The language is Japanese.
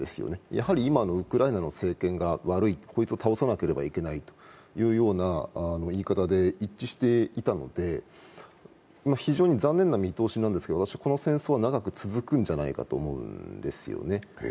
やはり今のウクライナの政権が悪いこいつを倒さなければいけないという言い方で一致していたので、非常に残念な見通しなんですが、私は、この戦争は長く続くんじゃないかと思うんですよね。